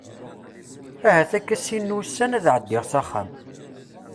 Ahat akka sin n wussan ad ɛeddiɣ axxam.